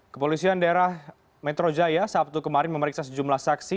kepolisian daerah metro jaya sabtu kemarin memeriksa sejumlah saksi